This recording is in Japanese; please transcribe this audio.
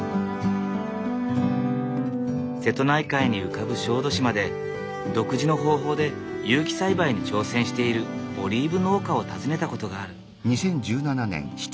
瀬戸内海に浮かぶ小豆島で独自の方法で有機栽培に挑戦しているオリーブ農家を訪ねたことがある。